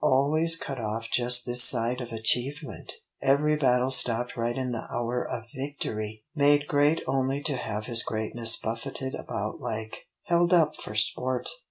Always cut off just this side of achievement! Every battle stopped right in the hour of victory! Made great only to have his greatness buffetted about like _held up for sport!